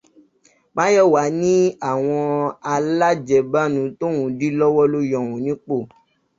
Máyọ̀wá ní àwọn alájẹbánu tóun dí lọ́wọ́ ló yọ òun nípò